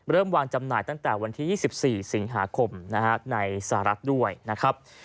วางจำหน่ายตั้งแต่วันที่๒๔สิงหาคมในสหรัฐด้วยนะครับ